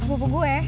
sebuah buku gue